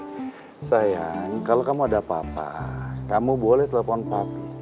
tapi sayang kalau kamu ada apa apa kamu boleh telepon pak